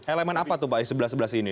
elemen apa tuh pak di sebelah sebelah sini